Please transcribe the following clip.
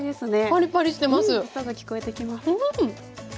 音が聞こえてきます。